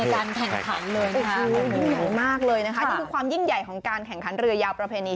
หลายมากเลยนะคะนี่คือความยิ่งใหญ่ของการแข่งขันเรือยาวประเภณี